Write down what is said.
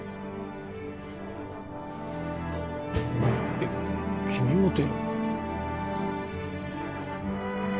えッ君も出るん？